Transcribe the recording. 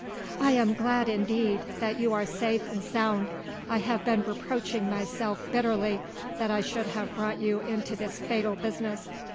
"I am glad, indeed, that you are safe and sound. I have been reproaching myself, bitterly, that I should have brought you into this fatal business.